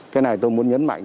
cái này tôi muốn nhấn mạnh